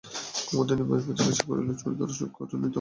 কুকুদিনী ভয় পেয়ে জিজ্ঞাসা করলে, ছোড়দাদার অসুখ করে নি তো?